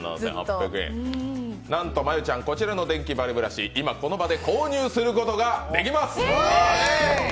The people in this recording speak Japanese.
なんと真悠ちゃん、こちらのデンキバリブラシ、今、この場で購入することができます。